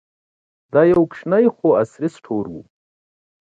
دا یو وړوکی خو عصري سټور و.